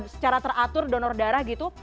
secara teratur donor darah gitu